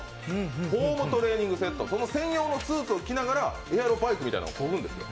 ホームトレーニングセット、専用のスーツを着ながらエアロバイクをこぐんです。